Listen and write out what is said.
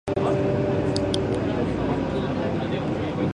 高橋の椅子に画びょうを仕掛けたのは私だ